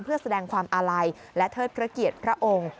เพื่อแสดงความอาลัยและเทิดพระเกียรติพระองค์